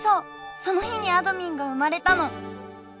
その日にあどミンが生まれたの。